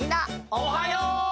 おはよう！